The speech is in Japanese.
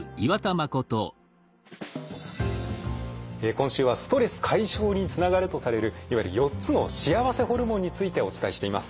今週はストレス解消につながるとされるいわゆる４つの幸せホルモンについてお伝えしています。